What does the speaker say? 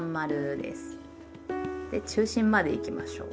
で中心までいきましょう。